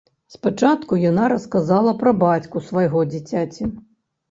Спачатку яна расказала пра бацьку свайго дзіцяці.